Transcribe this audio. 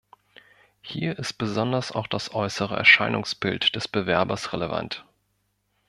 Hier ist besonders auch das äußere Erscheinungsbild des Bewerbers relevant.